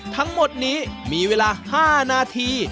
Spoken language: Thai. ทั้งหมดนี้มีเวลา๕นาที